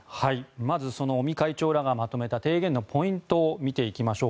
まずその尾身会長らがまとめた提言のポイントを見ていきましょう。